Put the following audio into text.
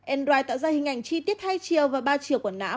android tạo ra hình ảnh chi tiết hai chiều và ba chiều của não